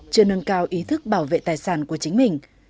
chưa nâng cao ý thức bảo vệ tài sản của chính mình